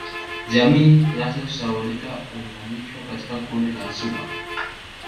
Jamii zinazosahaulika huunganishwa katika kundi la Suba